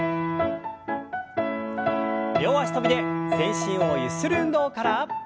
両脚跳びで全身をゆする運動から。